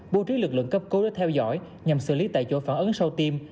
bộ trí lực lượng cấp cứu đã theo dõi nhằm xử lý tại chỗ phản ứng sâu tiêm